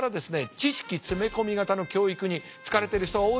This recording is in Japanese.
知識詰め込み型の教育に疲れてる人が多いでしょ。